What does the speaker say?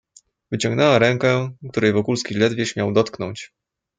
"Wyciągnęła rękę, której Wokulski ledwie śmiał dotknąć."